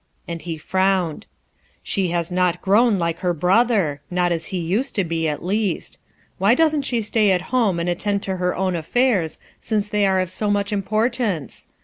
'' and he frowned, "She has not grown like her brother; not as he used to be, at least* Why doesn't she stay at home and attend to her own affairs, since they are of so much importance?